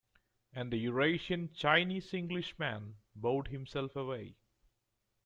And the Eurasian Chinese-Englishman bowed himself away.